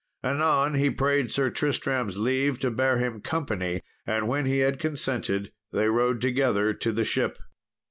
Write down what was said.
Anon he prayed Sir Tristram's leave to bear him company, and when he had consented they rode together to the ship.